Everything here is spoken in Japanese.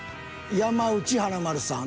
山内華丸さん。